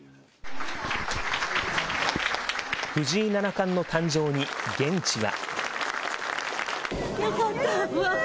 藤井七冠の誕生に現地は。